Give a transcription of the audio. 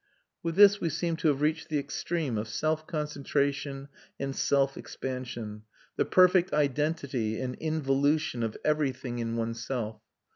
With this we seem to have reached the extreme of self concentration and self expansion, the perfect identity and involution of everything in oneself.